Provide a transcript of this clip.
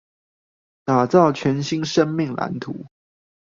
打造全新生命藍圖